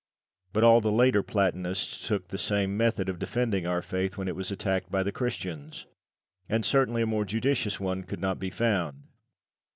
But all the later Platonists took the same method of defending our faith when it was attacked by the Christians; and certainly a more judicious one could not be found.